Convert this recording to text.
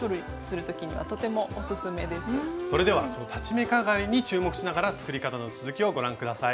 それではその裁ち目かがりに注目しながら作り方の続きをご覧下さい。